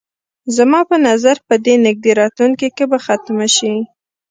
زما په نظر په دې نږدې راتلونکي کې به ختمه شي.